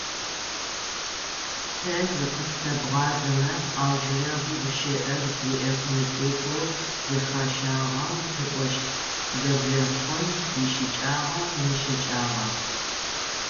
Тэ зыкъытфэбгъазэмэ, аужрэ гущыӏэр зиӏэ комитетэу зэхащагъэм къыӏощт, зэблэхъун ищыкӏагъа-имыщыкӏагъа.